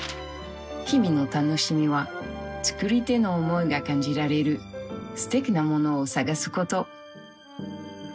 日々の楽しみは作り手の思いが感じられるすてきなものを探すこと。